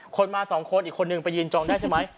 คนมา๒คนอีกคนนึงไปยืนจองได้ใช่ไหม